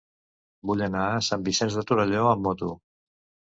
Vull anar a Sant Vicenç de Torelló amb moto.